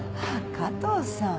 加藤さん。